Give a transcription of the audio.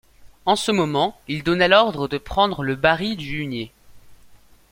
En ce moment, il donna l’ordre de prendre le bas ris du hunier.